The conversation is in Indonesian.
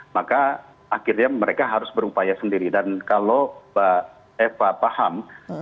maka akhirnya mereka harus berupaya sendiri dan kalau mbak eva paham